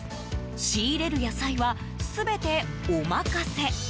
仕入れる野菜は全てお任せ。